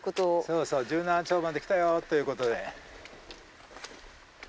そうそう十七町まで来たよということで。